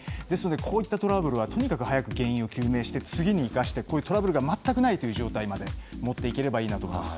こういったトラブルは原因を究明して次に生かしてこういうトラブルが全くない状況までもっていければと思います。